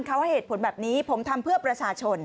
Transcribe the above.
เขาให้เหตุผลแบบนี้ผมทำเพื่อประชาชน